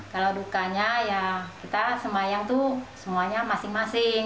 kalau dukanya kita semayang semuanya masing masing